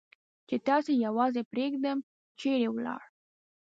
چې تاسې یوازې پرېږدم، چېرې ولاړ؟